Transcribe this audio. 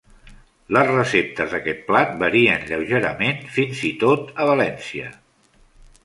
Les receptes d'aquest plat varien lleugerament, fins i tot a València.